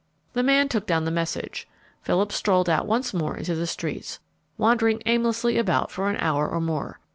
The man took down the message. Philip strolled out once more into the streets, wandering aimlessly about for an hour or more.